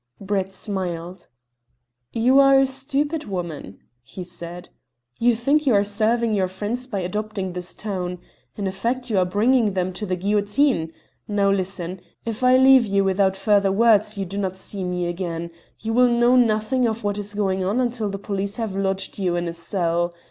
Brett smiled. "You are a stupid woman," he said. "You think you are serving your friends by adopting this tone. In effect you are bringing them to the guillotine. Now listen. If I leave you without further words you do not see me again. You will know nothing of what is going on until the police have lodged you in a cell.